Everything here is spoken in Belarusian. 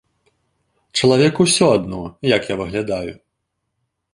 Чалавеку ўсё адно, як я выглядаю.